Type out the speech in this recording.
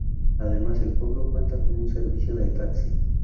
Además, el pueblo cuenta con un servicio de taxi.